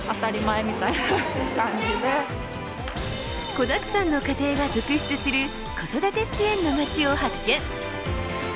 子だくさんの家庭が続出する子育て支援の町を発見。